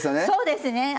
そうですね。